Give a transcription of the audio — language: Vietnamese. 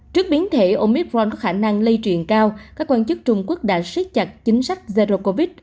trước biến thể omithron có khả năng lây truyền cao các quan chức trung quốc đã siết chặt chính sách zero covid